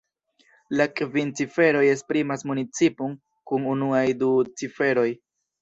La kvin ciferoj esprimas municipon kun unuaj du ciferoj.